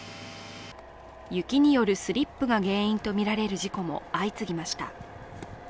雪によるスリップが原因とみられる事故も相次ぎました。